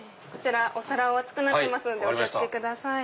お皿お熱くなってますのでお気を付けください。